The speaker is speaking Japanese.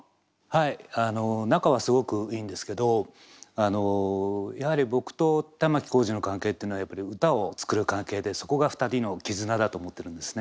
はいあの仲はすごくいいんですけどあのやはり僕と玉置浩二の関係っていうのはやっぱり歌をつくる関係でそこが２人の絆だと思ってるんですね。